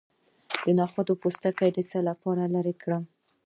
د نخود پوستکی د څه لپاره لرې کړم؟